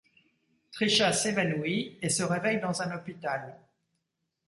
Trisha s'évanouit et se réveille dans un hôpital.